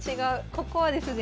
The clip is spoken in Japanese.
ここはですね